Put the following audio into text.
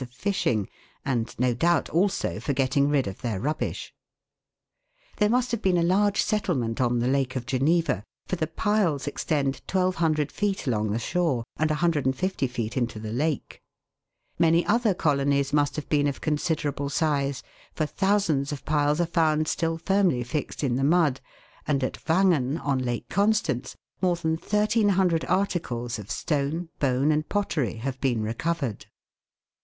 265 of fishing, and no doubt also for getting rid of their rubbish (Fig. 53). There must have been a large settlement on the Lake of Geneva, for the piles extend 1,200 feet along the shore, and 150 feet into the lake. Many other colonies must have been of considerable size, for thousands of piles are found still firmly fixed in the mud, and at Wangen, on Lake Constance, more than 1,300 articles of stone, bone, and pottery have been recovered.